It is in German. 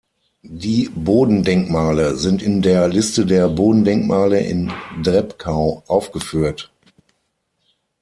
Die Bodendenkmale sind in der Liste der Bodendenkmale in Drebkau aufgeführt.